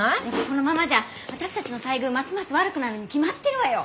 このままじゃ私たちの待遇ますます悪くなるに決まってるわよ！